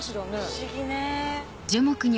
不思議ね。